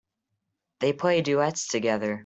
They play duets together.